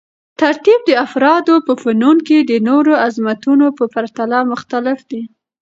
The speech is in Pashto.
ترتیب د افرادو په فنون کې د نورو عظمتونو په پرتله مختلف دی.